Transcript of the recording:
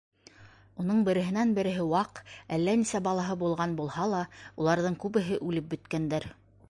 Уның береһенән-береһе ваҡ әллә нисә балаһы булған булһа ла, уларҙың күбеһе үлеп бөткәндәр.